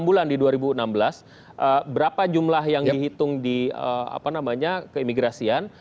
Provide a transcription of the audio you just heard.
enam bulan di dua ribu enam belas berapa jumlah yang dihitung di keimigrasian